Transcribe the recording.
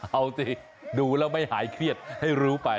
เอาสิดูแล้วไม่หายเครียดให้รู้ไป